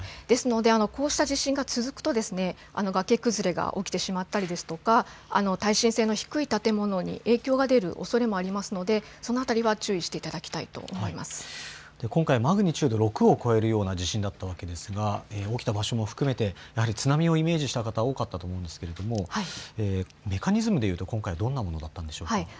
ですので、こうした地震が続くと、崖崩れが起きてしまったりですとか、耐震性の低い建物に影響が出るおそれもありますので、そのあたりは注意し今回、マグニチュード６を超えるような地震だったわけですが、起きた場所も含めて、やはり津波をイメージした方、多かったと思うんですけれども、メカニズムで言うと今回、どんなものだったんでしょうか。